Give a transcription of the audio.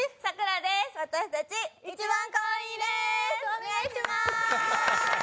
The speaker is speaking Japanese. お願いしまーす！